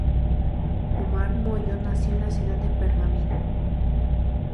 Omar Mollo nació en la ciudad de Pergamino.